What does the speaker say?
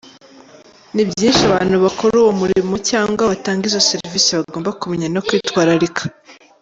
Nibyinshi abantu bakora uwo murimo cyangwa batanga izo serivisi bagomba kumenya no kwitwararika.